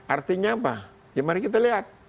artinya apa ya mari kita lihat